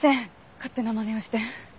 勝手なまねをして。